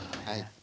はい。